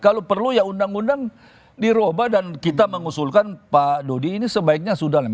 kalau perlu ya undang undang dirubah dan kita mengusulkan pak dodi ini sebaiknya sudah